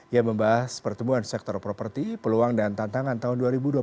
yang membahas pertumbuhan sektor properti peluang dan tantangan tahun dua ribu dua puluh satu